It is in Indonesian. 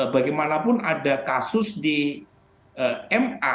bagaimanapun ada kasus di ma